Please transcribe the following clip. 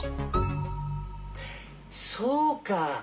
そうか。